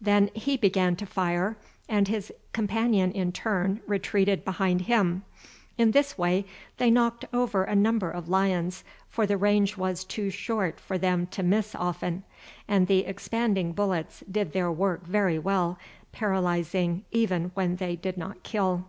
Then he began to fire, and his companion in turn retreated behind him. In this way they knocked over a number of lions, for the range was too short for them to miss often, and the expanding bullets did their work very well, paralyzing even when they did not kill.